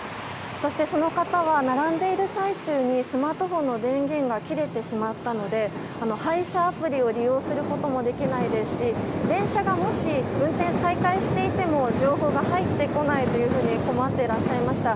そして、その方は並んでいる最中にスマートフォンの電源が切れてしまったので配車アプリを利用することもできないですし電車がもし運転再開していても情報が入ってこないと困っていらっしゃいました。